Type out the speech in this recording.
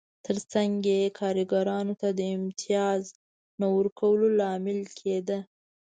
ترڅنګ یې کارګرانو ته د امتیاز نه ورکولو لامل کېده